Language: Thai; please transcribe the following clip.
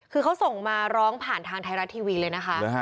คือเขาส่งมาร้องผ่านทางไทยรัฐทีวีเลยนะคะ